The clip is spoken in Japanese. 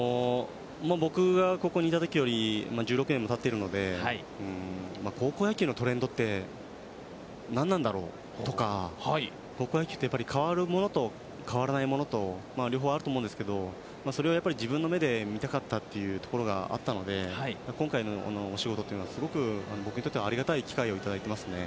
僕がここにいたときより１６年もたっているので高校野球のトレンドって何なんだろうとか、高校野球ってやっぱり変わるものと変わらないものと両方あると思いますがそれを自分の目で見たかったというのがあったので今回のお仕事というのはすごく僕にとってありがたい機会をいただいていますね。